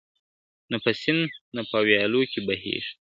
نه په سیند نه په ویالو کي به بهیږي `